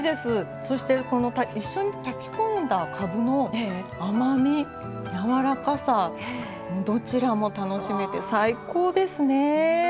そして、一緒に炊きこんだかぶの甘みやわらかさ、どちらも楽しめて最高ですね。